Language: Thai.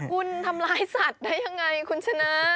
คุณทำลายสัตว์ได้ยังไงคุณชนะ